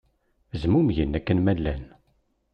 Zmumgen akken ma llan.